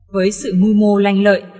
với sự mưu mô lanh lợi